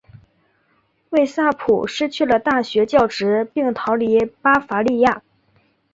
魏萨普失去了大学教职并逃离巴伐利亚。